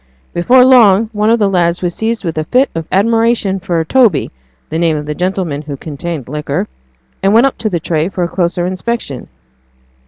Before long one of the lads was seized with a fit of admiration for Toby the name of the old gentleman who contained liquor and went up to the tray for a closer inspection.